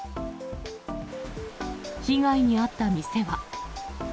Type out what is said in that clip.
被害に遭った店は。